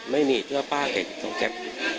ไม่มีถ้าปล่าเห็นต้องจับ